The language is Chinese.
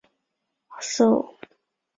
曾任山东考官。